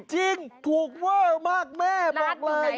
จริงถูกเวอร์มากแม่บอกเลย